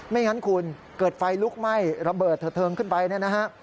ไม่งั้นคุณเกิดไฟลุกไหม้ระเบิดเถิงขึ้นไปนะครับ